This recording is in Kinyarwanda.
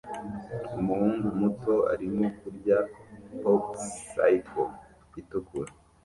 Umuhungu muto arimo kurya Popsicle itukura